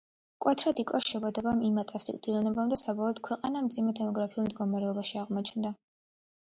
მკვეთრად იკლო შობადობამ, იმატა სიკვდილიანობამ და საბოლოოდ ქვეყანა მძიმე დემოგრაფიულ მდგომარეობაში აღმოჩნდა.